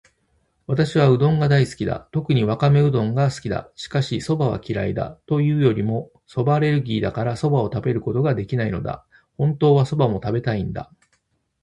私はうどんが大好きだ。特にわかめうどんが好きだ。しかし、蕎麦は嫌いだ。というよりも蕎麦アレルギーだから、蕎麦を食べることができないのだ。本当は蕎麦も食べたいんだ。